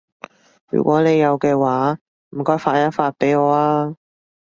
如果你有嘅話，唔該發一發畀我啊